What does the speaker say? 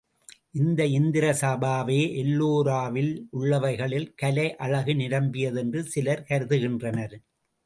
இந்த இந்திர சபாவே எல்லோராவில் உள்ளவைகளில் கலை அழகு நிரம்பியது என்று சிலர் கருதுகின்றனர்.